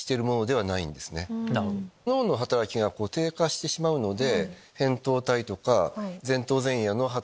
脳の働きが低下してしまうので。